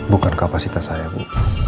bukan kapasitas saya bu